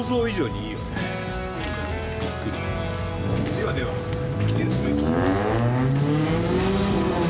ではでは記念すべき。